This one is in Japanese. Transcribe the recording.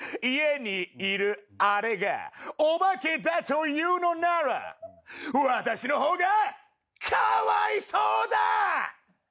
家にいるあれがお化けだというのなら私の方がかわいそうだ！